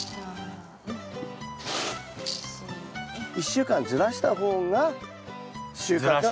１週間ずらした方が収穫が。